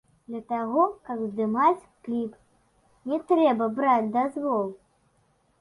Для таго, каб здымаць кліп, не трэба браць дазвол.